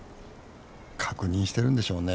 確認してるんでしょうね